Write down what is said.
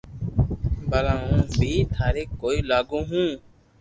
بلا ھون بي ٿاري ڪوئي لاگو ھون